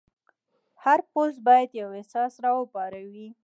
هر پوسټ باید یو احساس راوپاروي.